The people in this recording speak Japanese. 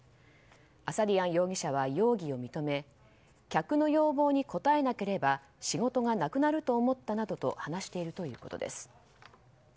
アサディアン容疑者は容疑を認め客の要望に応えなければ仕事がなくなると思ったなどと話しているということです。